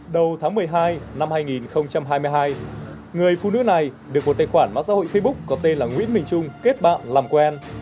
đầu tháng một mươi hai năm hai nghìn hai mươi hai người phụ nữ này được một tài khoản mạng xã hội facebook có tên là nguyễn minh trung kết bạn làm quen